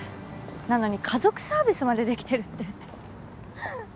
なのに家族サービスまでできてるって。